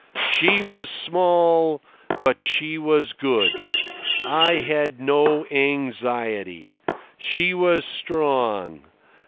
"She was small, but she was good. I had no anxiety. She was strong.